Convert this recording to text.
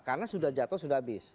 karena sudah jadwal sudah habis